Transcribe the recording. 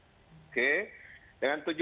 oke dengan tujuh ribu